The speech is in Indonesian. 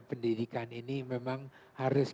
pendidikan ini memang harus